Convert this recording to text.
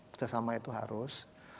kerjasama itu harus